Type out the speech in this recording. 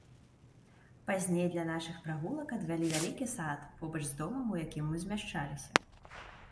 Пазней для нашых прагулак адвялі вялікі сад побач з домам, у якім мы змяшчаліся.